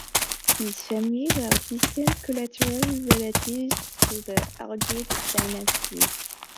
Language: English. His family were distant collateral relatives to the Argead dynasty.